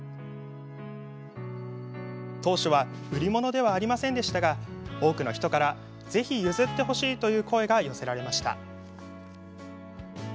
当初は売り物ではありませんでしたが多くの人からぜひ譲ってほしいという声が寄せられました。